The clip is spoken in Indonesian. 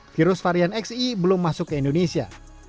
virus varian xe belum masuk ke indonesia